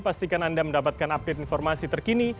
pastikan anda mendapatkan update informasi terkini